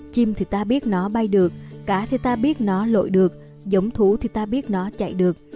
chim thì ta biết nó bay được cả thì ta biết nó lội được giống thú thì ta biết nó chạy được